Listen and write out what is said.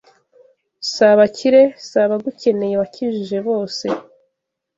Si abakire, si abagukeneye Wakijije bose